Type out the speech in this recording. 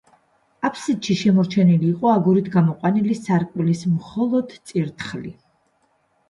აფსიდში შემორჩენილი იყო აგურით გამოყვანილი სარკმლის მხოლოდ წირთხლი.